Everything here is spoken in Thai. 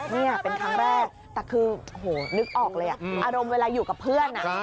นี่เป็นครั้งแรกแต่คือนึกออกเลยอารมณ์เวลาอยู่กับเพื่อน